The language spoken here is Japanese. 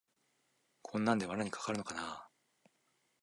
こんなんで罠にかかるのかなあ